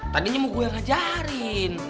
tadinya mau gue ngajarin